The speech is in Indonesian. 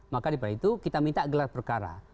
maka kita minta gelar perkara